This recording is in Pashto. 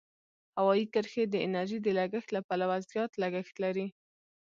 هوایي کرښې د انرژۍ د لګښت له پلوه زیات لګښت لري.